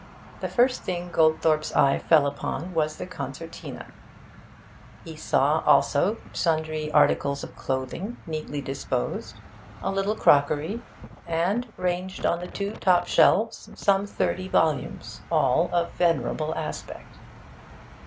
The first thing Goldthorpe's eye fell upon was the concertina; he saw also sundry articles of clothing, neatly disposed, a little crockery, and, ranged on the two top shelves, some thirty volumes, all of venerable aspect.